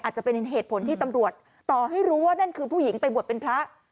จะเป็นเหตุผลที่ตำรวจต่อให้รู้ว่านั่นคือผู้หญิงไปบวชเป็นพระ